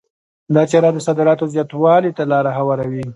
دا چاره د صادراتو زیاتوالي ته لار هواروي.